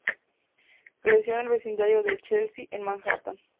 Creció en el vecindario de Chelsea, en Manhattan.